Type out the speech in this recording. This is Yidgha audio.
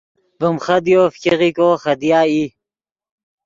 ڤیم خدیو فګیغو خدیا ای